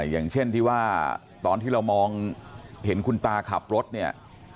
อย่างเช่นที่ว่าตอนที่เรามองเห็นคุณตาขับรถเนี่ย